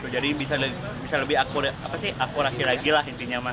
jadi bisa lebih akurasi lagi lah intinya mah